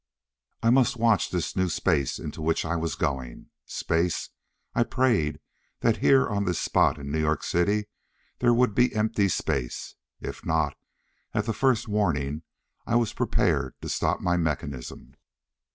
I must watch this new Space into which I was going. Space? I prayed that here on this spot in New York City there would be empty space! If not, at the first warning, I was prepared to stop my mechanism.